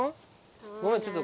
ごめんちょっと。